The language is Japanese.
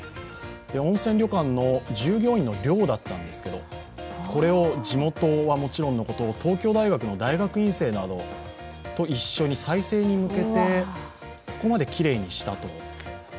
温泉旅館の従業員の寮だったんですけれども、これを地元はもちろんのこと、東京大学の大学院生などと一緒に再生に向けて、ここまできれいにしたと。